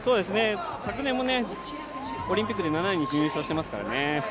昨年もオリンピックで７位に入賞してますからね。